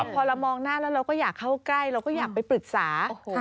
พอเรามองหน้าแล้วเราก็อยากเข้าใกล้เราก็อยากไปปรึกษา